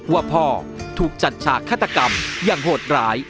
ว่าพ่อถูกจัดฉากฆาตกรรมอย่างโหดร้าย